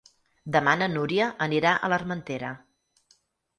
Demà na Núria anirà a l'Armentera.